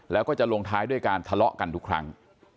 แล้วก็จะลงท้ายด้วยการทะเลาะกันทุกครั้ง